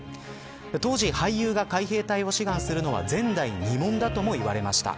当時、俳優が海兵隊を志願するのは前代未聞だとも言われました。